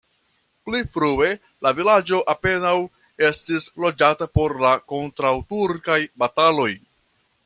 Pli frue la vilaĝo apenaŭ estis loĝata pro la kontraŭturkaj bataloj.